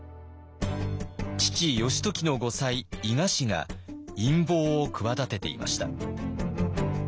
父義時の後妻伊賀氏が陰謀を企てていました。